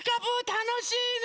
たのしいね。